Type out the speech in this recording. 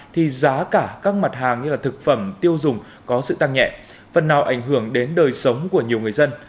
thì giá cả các mặt hàng như thực phẩm tiêu dùng có sự tăng nhẹ phần nào ảnh hưởng đến đời sống của nhiều người dân